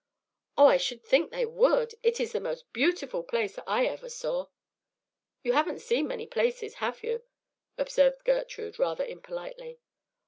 "Oh, I should think they would. It is the most beautiful place I ever saw." "You haven't seen many places, have you?" observed Gertrude, rather impolitely.